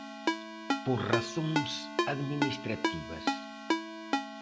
Por razóns administrativas.